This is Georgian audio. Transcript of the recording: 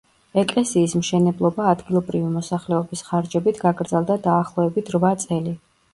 ეკლესიის მშენებლობა ადგილობრივი მოსახლეობის ხარჯებით გაგრძელდა დაახლოებით რვა წელი.